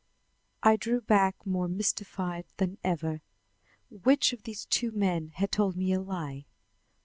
I drew back more mystified than ever. Which of these two men had told me a lie?